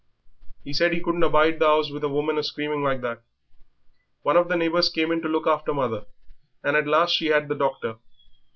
He said he couldn't abide the 'ouse with a woman a screaming like that. One of the neighbours came in to look after mother, and at last she had the doctor."